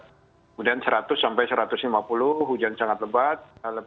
kemudian seratus sampai satu ratus lima puluh hujan sangat lebat